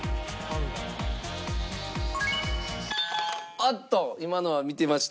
あっと今のは見てました。